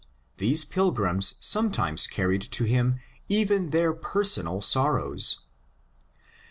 These pilgrims sometimes carried to him even their personal sorrows.